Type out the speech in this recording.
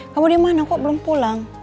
kamu dimana kok belum pulang